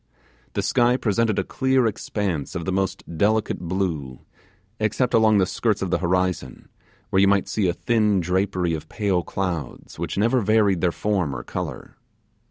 The sky presented a clear expanse of the most delicate blue, except along the skirts of the horizon, where you might see a thin drapery of pale clouds which never varied their form or colour.